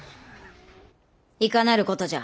いかなることじゃ！